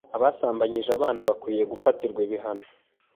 abasambanyije abana bakwiye gufatirwa ibihano